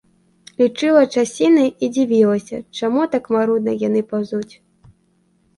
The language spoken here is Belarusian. Лічыла часіны і дзівілася, чаму так марудна яны паўзуць.